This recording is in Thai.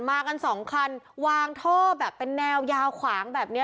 มากันสองคันวางท่อแบบเป็นแนวยาวขวางแบบนี้